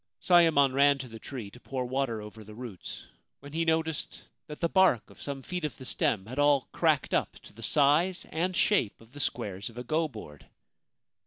Sayemon ran to the tree, to pour water over the roots, when he noticed that the bark of some feet of the stem had all cracked up to the size and shape of the squares of a go board